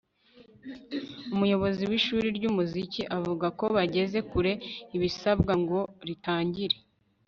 umuyobozi w'ishuli ry'umuziki avuga ko bageze kure ibisabwa ngo ritangire